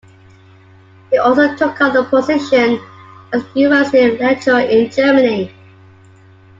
He also took up a position as university lecturer in Germany.